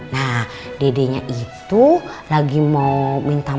nah dedeknya itu lagi mau minta makan